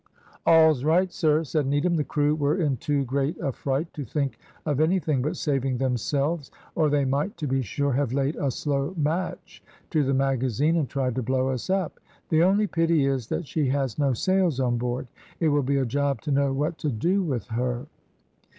"All's right, sir," said Needham. "The crew were in too great a fright to think of anything but saving themselves, or they might, to be sure, have laid a slow match to the magazine, and tried to blow us up. The only pity is that she has no sails on board. It will be a job to know what to do with her."